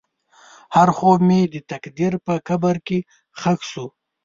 هر خوب مې د تقدیر په قبر کې ښخ شو.